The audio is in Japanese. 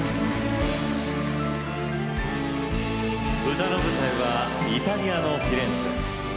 歌の舞台はイタリアのフィレンツェ。